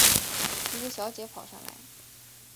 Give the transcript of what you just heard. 一个小姐跑上来